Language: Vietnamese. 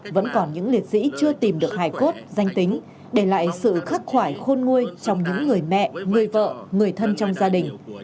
vẫn còn những liệt sĩ chưa tìm được hải cốt danh tính để lại sự khắc khoải khôn nguôi trong những người mẹ người vợ người thân trong gia đình